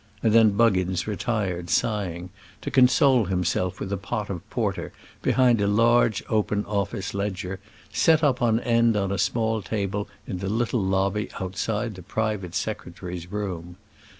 And then Buggins retired sighing, to console himself with a pot of porter behind a large open office ledger, set up on end on a small table in the little lobby outside the private secretary's room.